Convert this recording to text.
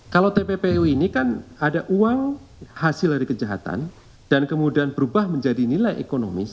kalau tppu ini kan ada uang hasil dari kejahatan dan kemudian berubah menjadi nilai ekonomis